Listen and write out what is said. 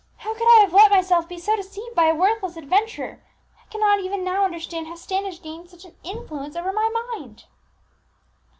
How could I have let myself be so deceived by a worthless adventurer? I cannot even now understand how Standish gained such an influence over my mind!"